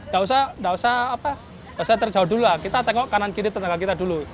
tidak usah terjauh dulu kita tengok kanan kiri tenaga kita dulu